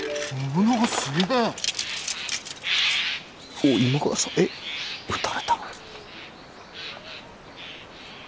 おっ今川さんえっ討たれたの？